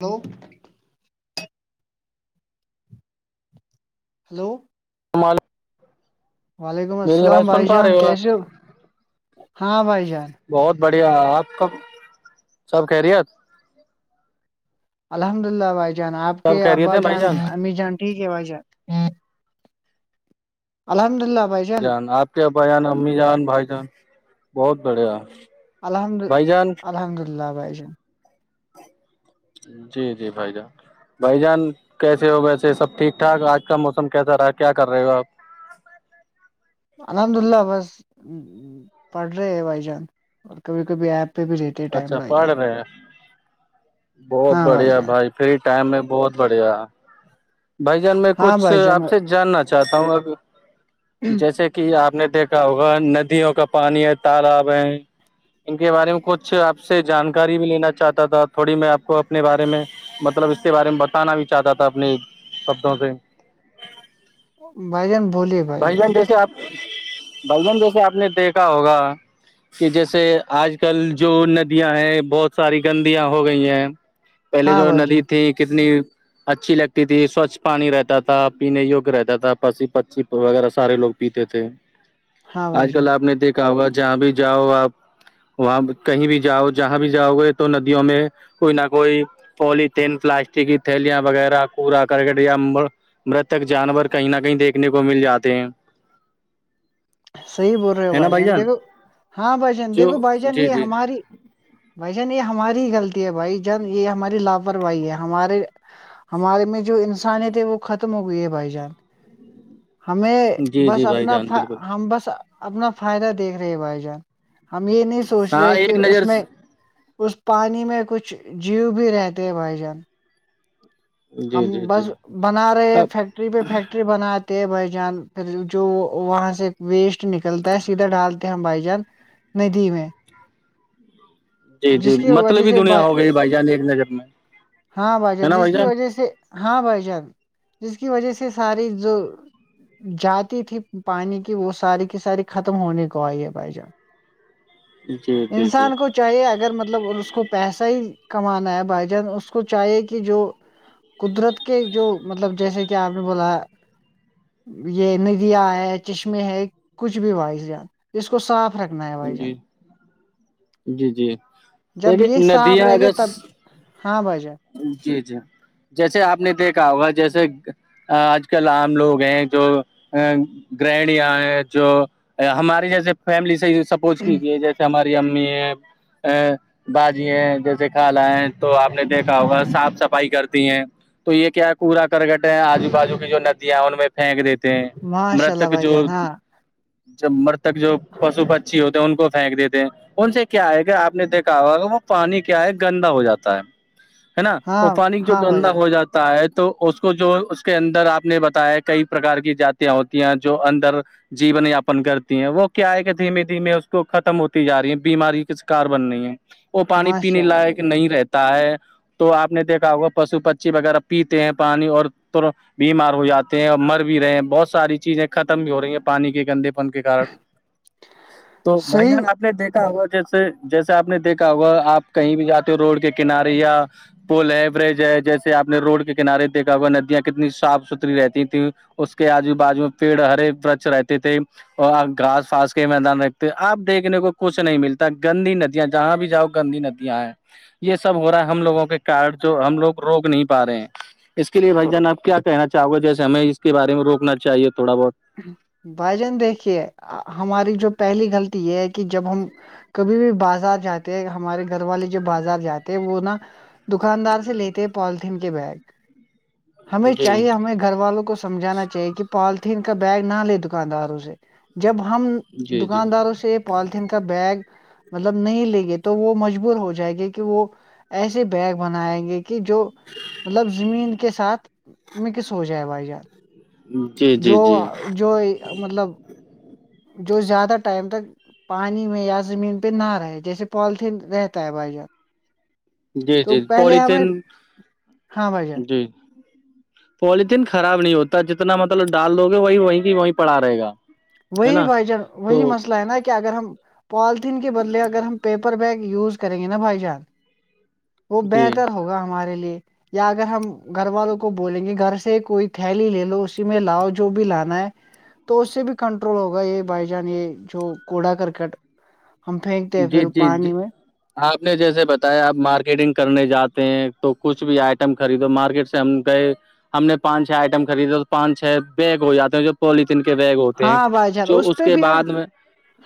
Hello hello استعمال [unintelligible] وعلیکم السلام بائی جان کیا س ہاں بھائی جان بہت بڑھیا آپ کب سب خیریت الحمد اللہ بھائی جان آپ سب کے خیریت ابا ہیں بھائی جان امی جان ٹھیک ہے بھائی جان الحمد اللہ بھائی جان آپ کے ابا جان امی جان بھائی جان بہت بڑھیا الحمد بھائی جان الحمد للہ بھائی جن جی جی بھائی جان بھائی جان کیسے ہو ویسے سب ٹھیک ٹھاک آج کا موسم کیسا رہا کیا کر رہے ہوا آپ الحمد اللہ بس پڑھ رہے ہیں بھائی جان اور کبھی کبھی آپ تو بجےتے ائم اچھا بائی پڑھ جانا رہے ہیں بہت بڑھیا بھائی فری ٹائم میں بہت بڑھیا بھائی جان میں ہاں کچھ بھائی آپ جان سے جاننا چاہتا ہوں اب جیسے کہ آپ نے دیکھا ہوگا ندیوں کا پانی ہے تالاب ہیں ان کے بارے میں کچھ آپ سے جانکاری بھی لینا چاہتا تھا تھوڑی میں آپ کو اپنے بارے میں مطلب اس کے بارے میں بتانا بھی چاہتا تھا اپنے شبدوں سے بائی جانن بولیے بھائی جن جیسے آپ بھائی جن جیسے آپ نے دیکھا ہوگا کہ جیسے آج کل جو ندیاں ہے بہت ساری گندیاں ہو گئی ہیں پہلے ہاں جو بھائی جان ندی تھی کتنی اچھی لگتی تھی سوچھ پانی رہتا تھا پینے یگیہ رہتا تھا پ پچھی وغیرہ سارے لوگ پیتے تھے ہاں بھائی آج کل جان آپ نے دیکھا ہوگا جہاں بھی جاؤ آپ وہاں کہیں بھی جاؤ جہاں بھی جاؤ گے تو ندیوں میں کوئی نہ کوئی پولیتین پلاسٹک کی تھیلیاں وغیرہ کوڑا کرکٹیا امبر مرتک جانور کہیں نہ کہیں دیکھنے کو مل جاتے ہیں صحیح بول رہے ہو بھائی جان دیکھو ہاں بھائی جان جو دیکھو بھائی جان جی یہ جی ہماری بھائی جان یہ ہماری غلطی ہے بھائی جان یہ ہماری لاپرواہی ہے ہمارے ہمارے میں جو انسانیت ہے وہ ختم ہو گئی ہے بھائی جان ہمیں جی بس جی بھائی اپنا جان بالکل ہم بس اپنا فائدہ دیکھ رہے بھائی جان ہم یہ نہیں سوچ ہاں رہے کہ ایک اس نظر میں اس پانی میں کچھ جیو بھی رہتے ہے بھائی جان جی ہم جی جی بس بنا رہے ہیں اب فیکٹری پہ فیکٹری بناتے ہیں بھائی جان پھر جو وہاں سے ویسٹ نکلتا ہے سیدھا ڈالتے ہیں ہم بھائی جان ندی میں جی جی جس کی مطلب وجہ ہی سے ب دنیا ہو گئی بھائی جان ایک نظر میں ہاں ہے بائیجان نا جس بھائی کی جان وجہ سے ہاں بھائی جان جس کی وجہ سے ساری جو جاتی تھی پانی کی وہ ساری کی ساری ختم ہونے کو آئی ہے بھ جان جی جی جی انسان کو [unintelligible] چاہیے اگر مطلب اس کو پیسہ ہی کمانا ہے بھائی جان اس کو چاہیے کہ جو قدرت کے جو مطلب جیسے کہ آپ نے بولا یہ ندیاں ہے چشمے ہے کچھ بھی ہوا اس جان ج کو صاف رکھنا ہے بھائی جی جان جی جی جب دیکھیے یہ صاف ندیاں رہے گے اگر تب ہاں بھ جا جی جی جیسے آپ نے دیکھا ہوگا جیسے آج کل عام لوگ ہیں جو ا گرہنیا ہیں جو ہماری جیسے فیملی سےحی سپوٹ کیجیے جی ہماری امی ہے باجی ہے جیسے کھا لا ہیں تو آپ نے دیکھ صاف صفائی کرتی ہیں تو یہ کیا کوڑا کرگٹ ہے آجو بازو کی جو ندیاں ان میں پھینک دیتے ہیں ماشاء اللہ مرتک بھائی جو جان ہاں جب مرتک جو پشو پچھی ہوتے ہیں ان کو پھینک دیتے ہیں ان سے کیا ہے کیا آپ نے دیکھا ہوا وہ پانی کیا ہے گندا ہو جاتا ہے ہے نا اور ہاں پانی جو ہاں بھائی گندا جان ہو جاتا تو اس کو جو اس کے اندر آپ نے بتایا ہے کئی پرکار کی جتیاں ہوتی ہیں جو اندر جین یاپن کرتی ہیں وہ کیا ہے کہ دھیمےھیمے اس کو ختم ہوتی جا رہی ہے بیماری ک کاربن نہیں ہے وہ پانی ماشاء پینے اللہ بھائی لائق جان نہیں رہتا ہے تو آپ نے دیکھا ہوگا پشو پچی وغیرہ پیتے ہیں پانی اور بیمار ہو جاتے ہیں اور مر بھی رہے ہیں بہت ساری چیزیں ختم بھی ہو رہی ہیں پانی کے گندے پ کے تو بھائی صحیح جان آپ [unintelligible] آپ نے دیکھا ہوگا جیسے جیسے آپ نے دیکھا ہوگا آپ کہیں بھی جاتے ہو روڈ کے کنارے یا پل ہے برج ہے جیسے آپ نے روڈ کے کنارے دیکھا ہوا ندیاں کتنی صاف ستھری رہتی تھیں اس کے آجو بازو میں پیڑ ہرے ورچ رہتے تھے اور آپ گاس پھاس کے میدان رکھتے آپ دیکھنے کو کچھ نہیں ملتا گندی ندیاں جہاں بھی جاؤ گندی ندیاں ہیں یہ سب ہو رہا ہے ہم لووں کے کڈ جو ہم لوگ روک نہیں پا رہے ہیں اس کے لیے بھائی جان آپ کیا کہنا چاہو گے جیسے ہمیں اس کے بارے میں روکنا چاہیے تھوڑا بہت بھائی جان دیکھیے ہماری جو پہلی غلطی یہ ہے کہ جب ہم کبھی بھی بازار جاتے ہیں ہمارے گھر والے جو بازار جاتے ہیں وہ نا دکاندار سے لیتے پالتھین کے بیگ ہمیں جی چاہے ہمیں گھر والوں کو سمجھانا چاہیے کہ پالیتھیین کو کا بیگ نہ لے دکانداروں سے جب ہم جی جی دکانداروں سے پالیتھین کا بیگ مطلب نہیں لیں گے تو وہ مجبور ہو جائے گی کہ وہ ایسے بیگ بنیں گے کہ جو مطلب زمین کے ساتھ مکس ہو جائے بھائی جان جی جی جو جی جو مطلب جو زیادہ ٹائم تک پانی میں یا زمین پہ نہ رہے جیسے پالیتھیین رہتا ہے بھائی جان جی تو جی پہلے پلیتین ہمیں ہاں بھائی جان جی پولیتھیین خراب نہیں ہوتا جتنا مطلب ڈال دوو گے وہی وہیں کی وہیں پڑا رہے گا ہے وہی نا وجہ تو وہی مسئلہ ہے نا کہ اگر ہم پالتھین کے بدلے اگر ہم پیپر بیگ یوز کریں گے نا بھائی جان وہ جی بہتر ہوگا ہمارے لیے یا اگر ہم گھر والوں کو بولیں گے گھر سے کوئی تھیلی لے لو اسی میں لاؤ جو بھی لانا ہے تو اس سے بھی کنٹرول ہوگا یہ بائی جان یہ جو کوڑا کرکٹ ہم پھینکتے ہیں جی پھر جی جی پانی میں آپ نے جیسے بتایا آپ مارکیٹنگ کرنے جاتے ہیں تو کچھ بھی آئٹم خریدو مارکیٹ سے ہم گئے ہم نے پانچ چھ آئٹم خریدے تو پانچ چھ بیگ ہو جاتے ہیں جو پولیتن کے بیگ ہوتے ہیں ہاں بھائی جان جو اس پہ کے بھی ہم بعد میں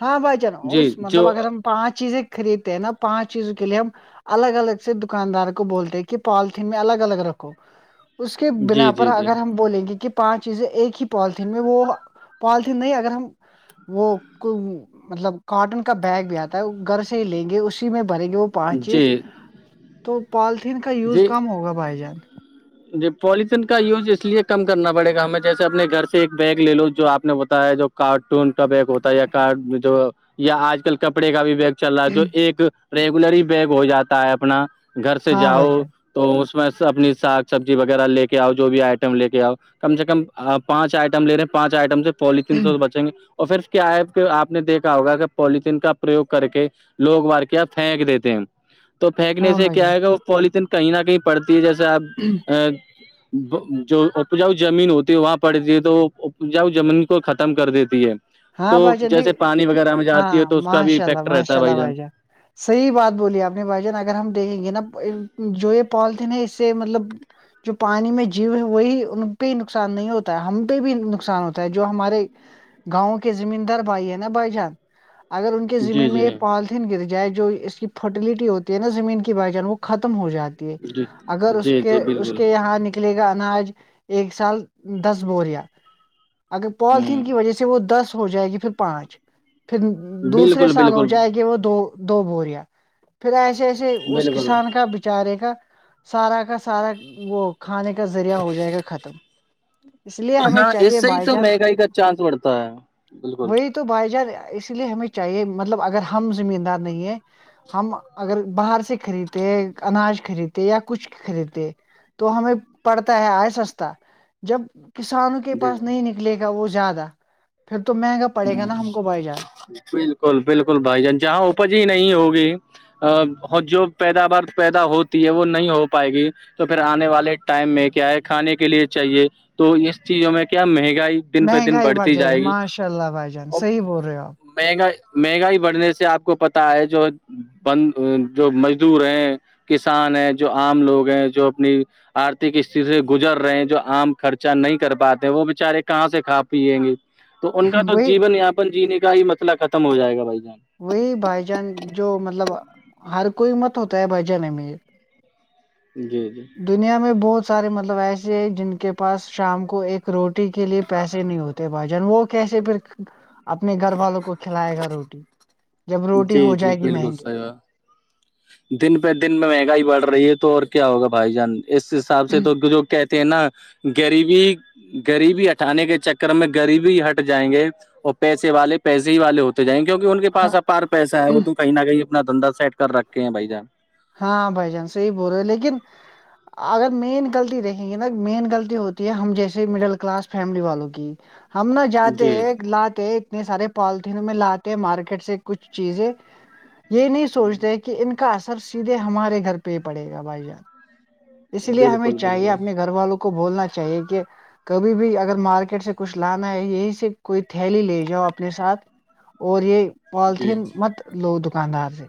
ہاں بھائی جان جی اس مطلب جو اگر ہم پانچ چیزیں خریدتے ہیں نا پانچ چیزوں کے لیے ہم الگ الگ سے دکاندار کو بولتے ہیں کہ پالتھین میں الگ الگ رکھو اس کے بنا جی پر جی جی اگر ہم بولیں گے کہ پانچ چیزیں ایک ہی پالیتھین میں وہ پالیتین نہیں اگر ہم وہ کو مطلب کاٹن کا بیگ بھی آتا ہے وہ گھر سے ہی لیں گے اسی میں بھریں گے وہ پانچ چیز جی تو پالیتھیین کا یوز جی کم ہوگا بھائی جان جی پوالیتن کا یوز اس لیے کم کرنا پڑے گا ہمیں جیسے اپنے گھر سے ایک بیگ لے لو جو آپ نے بتایا جو کارٹون کا بیگ ہوتا ہے یا جو یا آج کل کپڑے کا بھی بیگ چل رہا جو ایک ریگولری بیگ ہو جاتا ہے اپنا گھر سے ہاں بھائی جاؤ تو اس میں اپنی ساخ سبزی وغیرہ لے کے آؤ جو بھی آئٹم لے کے آؤ کم سے کم پانچ آئٹم لے رہے ہیں پانچ آئٹم سے پولیتھیین سے جان بچیں گے اور پھر کیا ہے کہ آپ نے دیکھا ہوگا کہ پولیتھیین کا پرریوگ کر کے لوگ مار کے آپ پھینک دیتے ہیں تو پھینکنے ہاں سے بھائی کیا ہے گا وہ پولیتھیین کہیں نہ کہیں پڑتی ہے جیسے جان آپ ا جو اپجاؤ زمین ہوتی ہے وہاں پڑتی ہے تو وہ اپجاؤ زمین کو ختم کر دیتی ہے تو ہاں بھائی جان دیک جیسے پانی وغیرہ میں جاتی ہے ہاں تو اس کا بھی ماشاء اللہ افیکٹ رہتا ہے ماشاء اللہ بھائی جان صحیح بات بولی آپ نے بھائی جان اگر ہم دیکھیں گے نا جو یہ پالتن ہے اس سے مطلب جو پانی میں جیو ہے وہی ان پہ نقصان نہیں ہوتا ہے ہم پہ بھی نقصان ہوتا ہے جو ہمارے گاؤں کے زمین دار بھائی ہے نا بھائی جان اگر ان کے جی زمین میں جی یہ پال گر جائے جو اس کی فرٹیلٹی ہوتی ہے نا زمین کی بائی جان وہ ختم ہو جاتی جی اگر اس جی کے جی اس بالکل کے یہاں نک کلے گا اناج ایک سال دس بوریا اگر ہ پالتھین کی وجہ سے وہ دس ہو جائے گی پھر پانچ پھر دوسرے بالکل سال ہو بالکل جائے کہ وہ دو دو بوریا پھر ایسے ایسے سے اس بالکل کسان کا بچ چارے کا سارا کا سارا وہ کھانے کا ذریعہ ہو جائے گا ختم اس لیے ہمیں ہاں چاہیے اس سے ہی بھائی جان مہنگائی کا چانس بڑھتا ہے بالکل وہی تو بھائی جان اس لیے ہمیں چاہیے مطلب اگر ہم زمین دار نہیں ہے ہم اگر باہر سے خرید اناج خرید یا کچھ خرید تو ہمیں پڑتا ہے آئے سستا جب کسانوں کے جی پاس نہیں نکلے گا وہ زیادہ پھر تو مہنگا پڑے گا نا ہ ہم کو بائی جان بالکل بکل بالکل بھائی جان جہاں اپج ہی نہیں ہوگی جو پیداوار پیدا ہوتی ہے وہ نہیں ہو پائے گی تو پھر آنے والے ٹائم میں کیا ہے کھانے کے لیے چاہیے تو اس چیزوں میں کیا مہنگائی دن پہ دن مہنگائی بڑھ بڑھتی جائے گی ماشا اللہ بھائی جان صحیح بول رہے ہو آپ مہنگا مہنگائی بڑھنے سے آپ کو پتا ہے جو بند جو مزدور ہیں کسان ہیں جو عام لوگ ہیں جو اپنی آرتک است سے گزر رہے ہیں جو آم خرچہ نہیں کر پاتے وہ بچارے کہاں سے کھا پیئیں گے تو ان کا تو وہی جیون یاپن جینے کا ہی مطئلہ ختم ہو جائے گا بھائی جان وہی بھائی جان جو مطلب ہر کوئی مت ہوتا ہے بھائی جان امیر جی جی دنیا میں بہت سارے مطلب ایسے ہے جن کے پاس شام کو ایک روٹی کے لیے پیسے نہیں ہوتے بھائی جان وہ کیسے پھر اپنے گھر والوں کو کھلائے گا روٹی جب روٹی جی ہو جی جائے گی بالکل مہنگی صحیح بات۔ دن پہ دن میں مہنگائی بڑھ رہی ہے تو اور کیا ہوگا بھائی جان اس حساب سے تو جو کہتے ت نا گریبی غریبی ہٹانے کے چکر میں غریبی ہٹ جائیں گے اور پیسے والے پیسے ہی والے ہوتے تو جائیں کیوںہ ان کے ہاں پس اپار پیسہ ہے وہ تو کہیں نہ کہیں اپنا دھندا سیٹ کر رکھے ہیں بائی جان ہاں بھائی جان سے یہی بول رہے لیکن اگر مین غلطی دیکھیں گے نا مین غلطی ہوتی ہے ہم جیسے مڈل کلاس فیملی والوں کی ہم نہ جاتے جی ہیں لاتے سارے پالیتھینوں میں لاتے ہیں مارکیٹ سے کچھ چیزیں یہ نہیں سوچتے کہ ان کے کا اثر سیدھے ہمارے گھر پہ ہی پڑے گ بھائی جان اس لیے ہمیں بالکل چاہیے بالکل اپنے گھر والوں کو بولنا چاہیے کہ کبھی بھی اگر مارکیٹ سے کچھ لانا ہے یہیں سے کوئی تھیلی لے جاؤ اپنے ساتھ اور یہ جی پالیتھیین مت لو دکاندار سے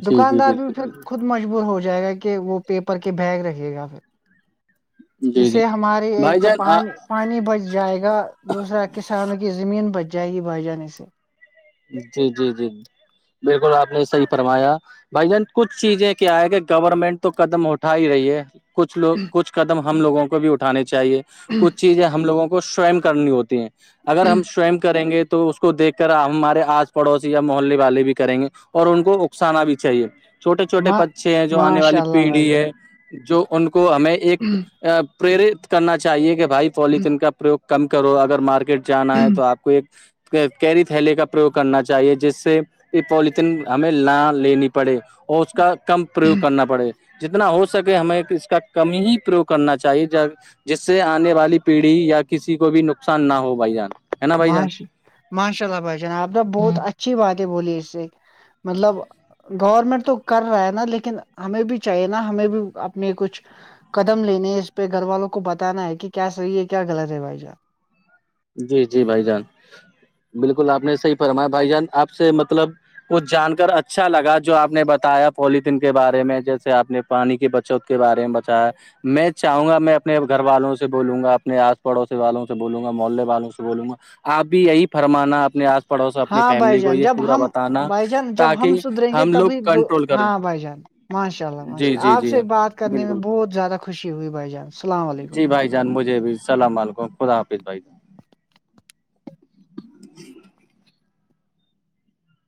جی جی دکاندار بھی بالکل پھر خود بالکل مجبور ہو جائے گا کہ وہ پیپر کے بیگ رہے گا پھر جی جی جسے ہمارے ایک بھائی تو جان آ- پانی پانی بچ جائے گا دوسرا کسانوں کی زمین بچ جائے گی بائی جانے سے جی جی جی بالکل آپ نے صحیح فرمایا بھائی جان کچھ چیزیں کیا ہے کہ گورنمنٹ تو قدم اٹھا ہی رہی ہے کچھ لوگ کچھ قدم ہم لوگوں کو بھی اٹھانے چاہیے کچھ چیزیں ہم لوگوں کو سوئم کرنی ہوتی ہے اگر ہم سوئم کریں گے تو اس کو دیکھ کر ہمارے آس پڑوسی یا محلے والے بھی کریں گے اور ان کو اکسانا بھی چاہیے چھوٹے چھوٹے ماں بچے ہیں جو آنے ماشاء والی اللہ بھائی پیڑھی ہے جو ان کو ہمیں ایک پرییرت کرنا چاہیے کہ بھائی پولیتھیین کا پرریوگ کم کرو اگر مارکی ٹ جانا ہے جان تو آپ کو ایک کیری تلے کا پروگ کرنا چاہیے جس سے کہ پولیتن ہمیں نہ لینی پڑے اور اس کا کم پرریوگ کرنا پڑے جتنا ہو سکے ہمیں اس کا کم ہی پرریوگ کرنا چاہیے ج جس سے آنے والی پیڑھی یا کسی کو بھی نقصان نہ ہو بھائی جان ہے نا بھائی جان ماش ماشاء اللہ بھائی جناب آپنا بہت اچھی بات ہے بولی اس سے مطلب گورنمنٹ تو کر رہا ہے نا لیکن ہمیں بھی چاہیے نا ہمیں بھی اپنے کچھ قدم لینے اس پہ گھر والوں کو بتانا ہے کہ کیا صحیح ہے کیا غط ہے بھائی جان جی جی بھائی جان بالکل آپ نے صحیح فرمایا بھائی جان آپ سے مطلب کچھ جان کر اچھا لگا جو آپ نے بتایا پلیتھین کے بارے میں جیسے آپ نے پانی کی بچت کے بارے میں بتا ہے میں چاہوں گا میں اپنے گھر والوں سے بولوں گا اپنے آس پڑوسی والوں سے بولوں گا محلے والوں سے بولوں گا آپ بھی یہی فرمانا اپنے آس پ پڑوس اپنی ہاں بھائی فیملی کو جان یہ جب پورا ہم بتانا بھائی جان جب ہم تاکہ سدھریں گے ہم لوگ تبھی دو کنٹرول کریں ہاں بھائی جان ماشاء اللہ ماشاء جی اللہ جی آپ جی سے بات کرنے میں بالکل بہت زیادہ خوشی ہوئی بھائی جان السلام علیکم جی بھائی جان مجھے بھی السلام علیکم خدا حافظ بھائی جان